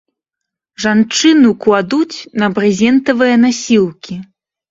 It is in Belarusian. Жанчыну кладуць на брызентавыя насілкі.